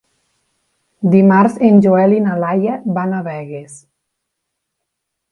Dimarts en Joel i na Laia van a Begues.